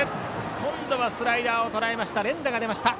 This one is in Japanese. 今度はスライダーをとらえました。